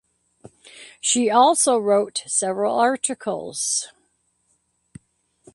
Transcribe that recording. She also wrote several articles.